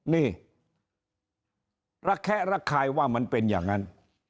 นี่ระแคะระคายว่ามันเป็นอย่างนั้น